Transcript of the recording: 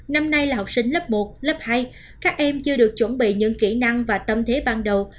năm nay là học sinh lớp một lớp hai các em chưa được chuẩn bị những kỹ năng và tâm thế ban đầu